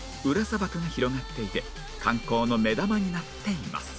砂漠が広がっていて観光の目玉になっています